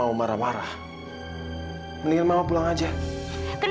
aku dan olacaku juga sebenarnya chili playboy